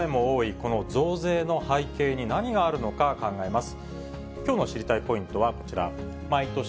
この増税の背景に何があるのか考えます。